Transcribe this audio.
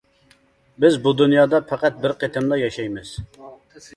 بىز بۇ دۇنيادا پەقەت بىر قېتىملا ياشايمىز.